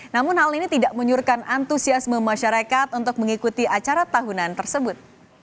namun hal ini tidak menyuruhkan antusiasme masyarakat untuk mengikuti acara tahunan tersebut